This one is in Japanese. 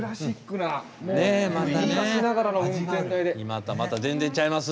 今とはまた全然ちゃいます。